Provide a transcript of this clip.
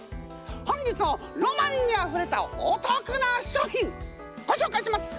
本日もロマンにあふれたお得な商品ご紹介します！